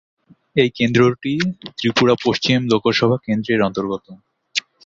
এই কেন্দ্রটি ত্রিপুরা পশ্চিম লোকসভা কেন্দ্রের অন্তর্গত।